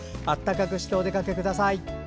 暖かくしてお出かけください。